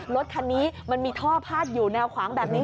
รถคันนี้มันมีท่อพาดอยู่แนวขวางแบบนี้